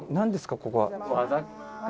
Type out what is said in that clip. ここは」